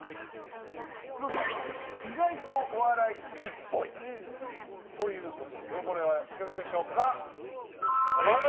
黒木さんは意外とお笑い好きっぽいということですがいかがでしょうか。